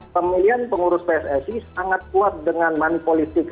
pemilihan pengurus pssi sangat kuat dengan money politik